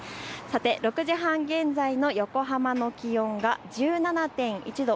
６時半現在の横浜の気温が１７．１度。